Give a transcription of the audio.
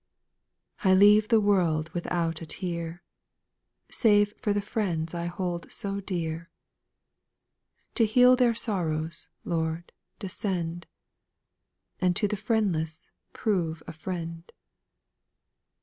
8. I leave the world without a tear, Save for the friends I hold so dear ; To heal their sorrows, Lord, descend, And to the friendless prove a Friend.